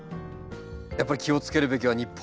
やっぱり気をつけるべきは日本の夏。